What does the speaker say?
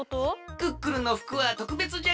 クックルンのふくはとくべつじゃけえのう。